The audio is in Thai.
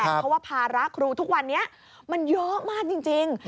เพราะว่าภาระครูทุกวันนี้มันเยอะมากจริง